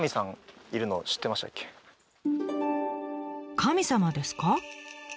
神様ですか？